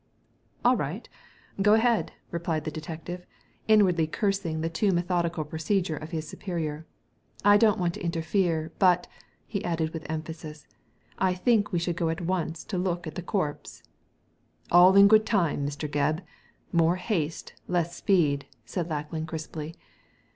"Alright! Go ahead!" replied the detective, Digitized by Google TRAGEDY OF THE STRANGE ROOM 7 inwardly cursing the too methodical procedure of his superior, "I don't want to interfere. But," he added with emphasis, " I think we should go at once and look at the corpse." •* All in good time, Mr. Gebb. More haste, less speed !" said Lackland, crisply.